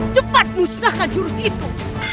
cepat musnahkan jurus itu